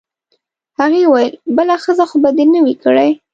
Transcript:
هغې وویل: بله ښځه خو به دي نه وي کړې؟